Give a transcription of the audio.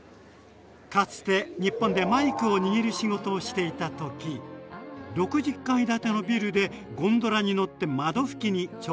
かつて日本でマイクを握る仕事をしていた時６０階建てのビルでゴンドラに乗って窓拭きに挑戦しましてね。